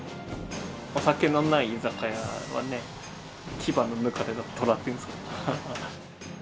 お酒のない居酒屋はね、牙の抜かれたトラっていうんですか。